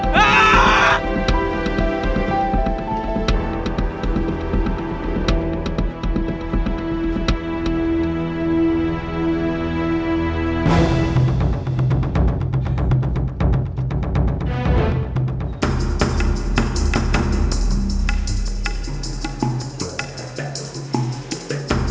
tahu dia apa